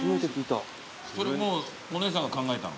それもうお姉さんが考えたの？